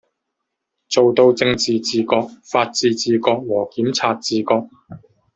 做到政治自觉、法治自觉和检察自觉